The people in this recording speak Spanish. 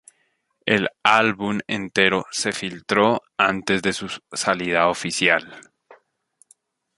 El álbum entero se filtró antes de su salida oficial.